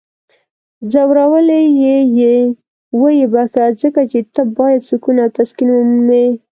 ځورولی یی یې؟ ویې بخښه. ځکه چی ته باید سکون او تسکین ومومې!